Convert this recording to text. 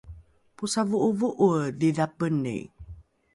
posavo’ovo’oe dhidhapeni